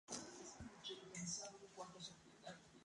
Comenzó a militar en el Radicalismo al finalizar el colegio secundario.